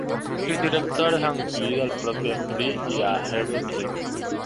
Sus directores han incluido al propio Fry y a Herbert Read.